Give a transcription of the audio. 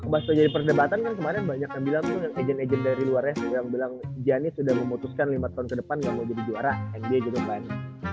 bahasanya jadi perdebatan kan kemarin banyak yang bilang tuh agent agent dari luarnya yang bilang giannis udah memutuskan lima tahun kedepan ga mau jadi juara nba kedepan